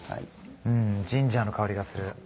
うんジンジャーの香りがする。